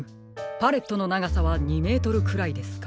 パレットのながさは２メートルくらいですか。